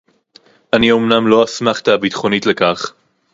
אני אומנם לא האסמכתה הביטחונית לכך